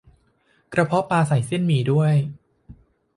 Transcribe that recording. กระเพาะปลาใส่เส้นหมี่ด้วย